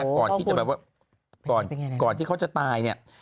ก่อนที่จะแบบว่าก่อนที่เขาจะตายเนี่ย